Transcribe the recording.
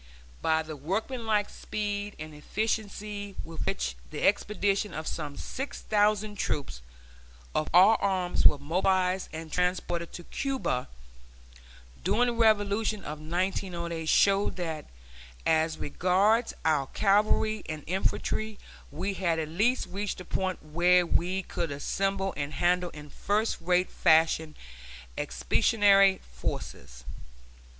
But the workmanlike speed and efficiency with which the expedition of some 6000 troops of all arms was mobilized and transported to Cuba during the revolution of 1908 showed that, as regards our cavalry and infantry, we had at least reached the point where we could assemble and handle in first rate fashion expeditionary forces.